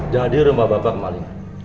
jadi rumah bapak kemalingan